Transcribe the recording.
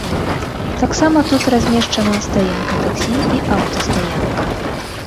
Таксама тут размешчана стаянка таксі і аўтастаянка.